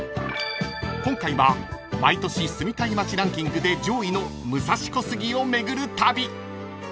［今回は毎年住みたい街ランキングで上位の武蔵小杉を巡る旅］